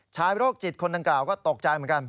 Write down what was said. ชายโรคจิตคนดังกล่าวก็ตกใจมากัน